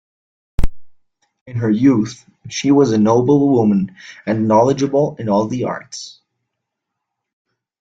In her youth, she was a noblewoman and knowledgeable in all the arts.